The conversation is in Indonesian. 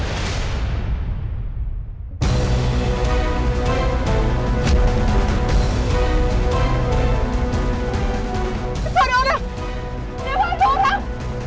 tidak ada orang